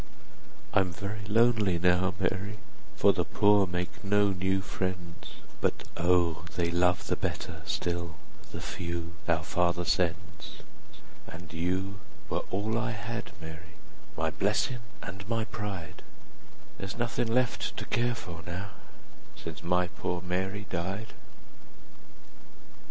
I'm very lonely now, Mary, 25 For the poor make no new friends, But, O, they love the better still, The few our Father sends! And you were all I had, Mary, My blessin' and my pride: 30 There 's nothin' left to care for now, Since my poor Mary died.